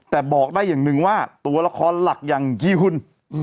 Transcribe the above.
แต่บอกได้อย่างหนึ่งว่าตัวละครหลักอย่างยี่หุ่น